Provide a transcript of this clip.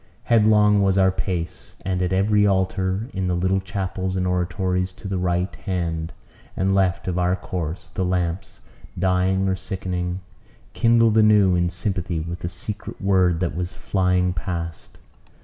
Headlong was our pace; and at every altar, in the little chapels and oratories to the right hand and left of our course, the lamps, dying or sickening, kindled anew in sympathy with the secret word that was flying past.